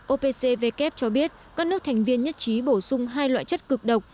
opcvk cho biết các nước thành viên nhất trí bổ sung hai loại chất cực độc